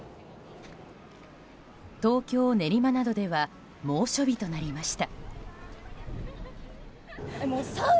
東京・練馬などでは猛暑日となりました。